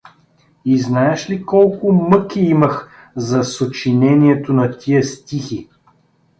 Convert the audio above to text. — И знаеш ли колко мъки имах за сочинението на тия стихи?